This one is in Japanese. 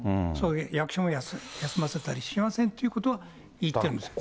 役所も休ませたりしませんということは言ってるんですよ。